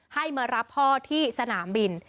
ให้มารับพ่อที่สนามบิน